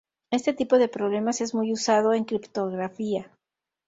Este tipo de problemas es muy usado en criptografía.